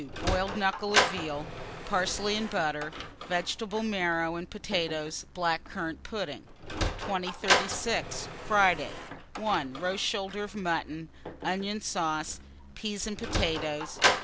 Boiled knuckle of veal, parsley and butter, vegetable marrow and potatoes. 3. Black currant pudding. 2036. Friday. 1. Roast shoulder of mutton, onion sauce, peas and potatoes.